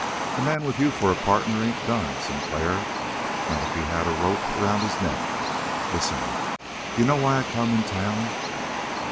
"A man with you for a partner ain't done, Sinclair not if he had a rope around his neck. Listen! D'you know why I come in town?"